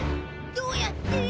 どうやって？